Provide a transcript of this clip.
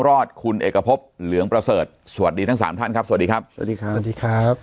รอดคุณเอกภพเหลืองประเสริฐสวัสดีทั้งสามท่านครับสวัสดีครับ